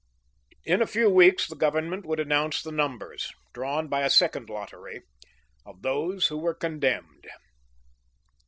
In a few weeks the Government would announce the numbers drawn by a second lottery of those who were condemned.